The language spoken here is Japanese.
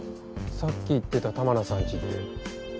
さっき言ってた玉名さんちって。